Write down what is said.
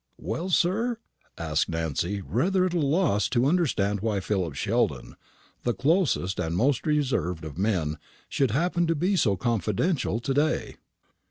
"Well, sir?" asked Nancy, rather at a loss to understand why Philip Sheldon, the closest and most reserved of men, should happen to be so confidential to day.